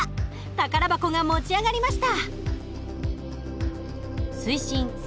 宝箱が持ち上がりました！